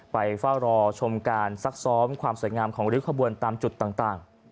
ไปเฝ้ารอชมการซักซ้อมความสวยงามของริ้วขบวนตามจุดต่าง